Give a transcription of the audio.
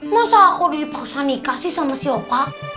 masa aku dipaksa nikah sih sama si opa